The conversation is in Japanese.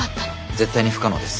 絶対に不可能です。